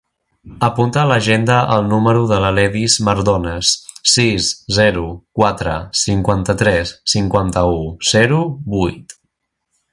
Apunta a l'agenda el número de l'Aledis Mardones: sis, zero, quatre, cinquanta-tres, cinquanta-u, zero, vuit.